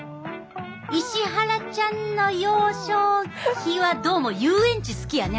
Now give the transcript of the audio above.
石原ちゃんの幼少期はどうも遊園地好きやね